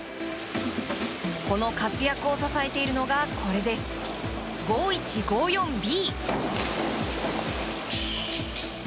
この活躍を支えているのがこれです、５１５４Ｂ！